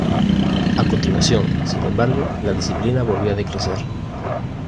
A continuación, sin embargo, la disciplina volvió a decrecer.